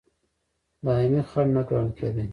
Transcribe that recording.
دایمي خنډ نه ګڼل کېدی.